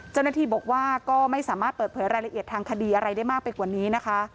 เจ้าหน้าที่บอกว่าก็ไม่สามารถเปิดเผยรายละเอียดทางคดีอะไรได้มากไปกว่านี้นะคะ